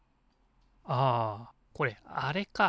あこれあれか。